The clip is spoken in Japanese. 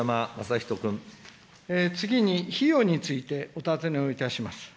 次に費用についてお尋ねをいたします。